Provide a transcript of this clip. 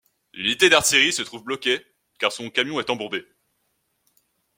Une unité du d'artillerie se trouve bloquée car son camion est embourbé.